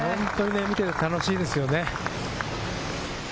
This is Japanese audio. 見ていて楽しいですよね。